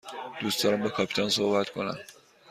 دوست دارم با کاپیتان صحبت کنم.